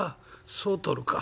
そうとるか。